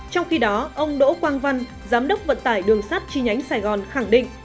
trong khi đó ông đỗ quang văn giám đốc vận tải đường sắt chi nhánh sài gòn khẳng định